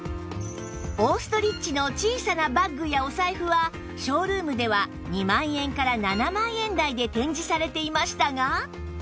オーストリッチの小さなバッグやお財布はショールームでは２万円から７万円台で展示されていましたが